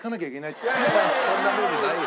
そんなルールないよ。